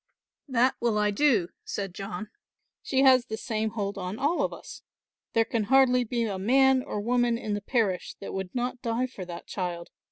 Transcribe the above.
"That will I do," said John, "she has the same hold on all of us. There can hardly be a man or woman in the parish that would not die for that child.